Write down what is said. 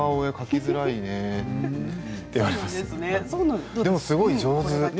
でも、すごい上手。